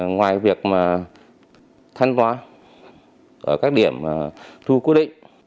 ngoài việc thanh toán ở các điểm thu quyết định